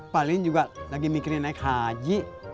paling juga lagi mikirnya naik haji